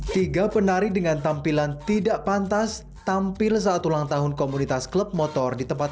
tiga penari dengan tampilan tidak pantas tampil saat ulang tahun komunitas klub motor di tempat